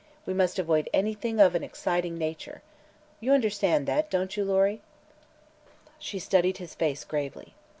We must avoid anything of an exciting nature. You understand that, don't you, Lory?" She studied his face gravely.